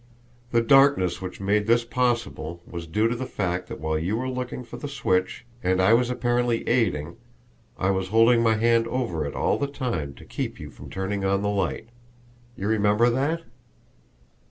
The darkness which made this possible was due to the fact that while you were looking for the switch, and I was apparently aiding, I was holding my hand over it all the time to keep you from turning on the light. You remember that?"